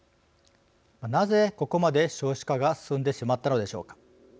なぜ、ここまで少子化が進んでしまったのでしょうか。